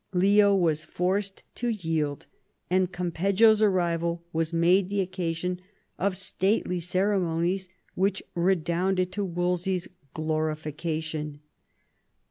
Leo was forced to yield, and Campeggio's arrival was made the occasion of stately ceremonies which redounded to Wolsey's glorification.